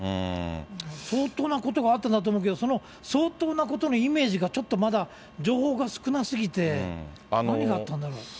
相当なことがあったんだと思うけど、その相当なことのイメージが、ちょっとまだ情報が少なすぎて、何があったんだろう。